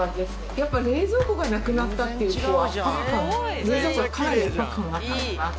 やっぱ冷蔵庫がなくなったっていうことは。